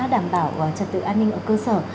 đảm bảo trật tự an ninh ở cơ sở